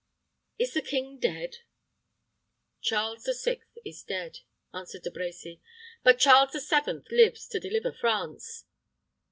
Is the king dead?" "Charles the Sixth is dead," answered De Brecy. "But Charles the Seventh lives to deliver France."